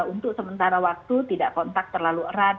untuk sementara waktu tidak kontak terlalu erat